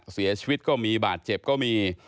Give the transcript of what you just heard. เสียชีวิตก็มีบาดเจ็บก็มี